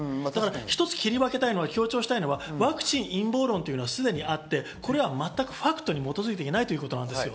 一つ切り分けたいのは、強調したいのは、ワクチン陰謀論というのはすでにあって、これは全くファクトに基づいていないということです。